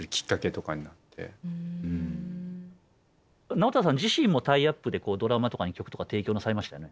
直太朗さん自身もタイアップでドラマとかに曲とか提供なさいましたよね？